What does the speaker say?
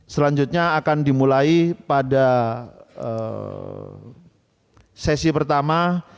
selanjutnya akan dimulai pada sesi pertama